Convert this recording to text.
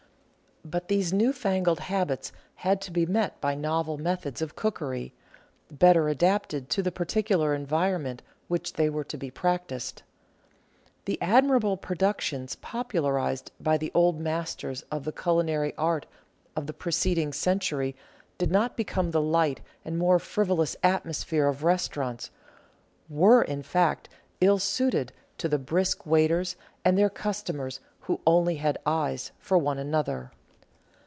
But these new fangled habits had to be met by novel methods of Cookery — ^better adapted to the particular environment in which they were to be practised. The admirable productions popularised by the old Masters of the Culinary Art of the pre vi PREFACE ceding Century did not become the light and more frivolous atmosphere of restaurants ; were, in fact, ill suited to the brisk waiters, and their customers who only had eyes for one another.